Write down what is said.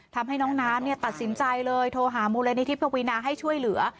ทำให้น้องน้ำตัดสินใจเลยโทรหามูลนิธิปวีนาให้ช่วยเหลือ